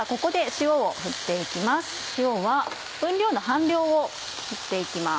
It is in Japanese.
塩は分量の半量を振って行きます。